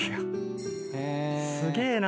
すげえな。